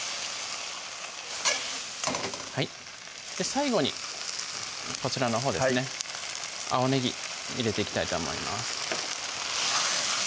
最後にこちらのほうですね青ねぎ入れていきたいと思います